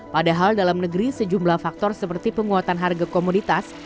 padahal dalam negeri sejumlah faktor seperti penguatan harga komoditas